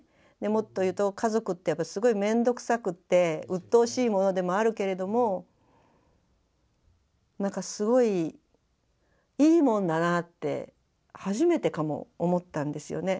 もっと言うと家族ってやっぱすごい面倒くさくて鬱陶しいものでもあるけれども何かすごいいいもんだなって初めてかも思ったんですよね。